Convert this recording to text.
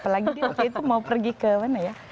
apalagi dia waktu itu mau pergi ke mana ya